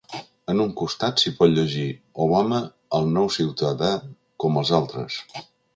En un costat si pot llegir: ‘Obama, el nou ciutadà com els altres’.